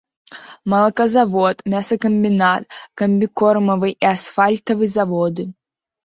Малаказавод, мясакамбінат, камбікормавы і асфальтавы заводы.